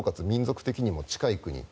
民族的にも近い国